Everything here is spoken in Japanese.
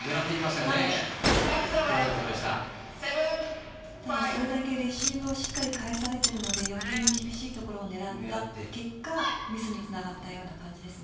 ただ、それだけレシーブをしっかり返されているので余計に厳しいところを狙った結果ミスにつながったような感じですね。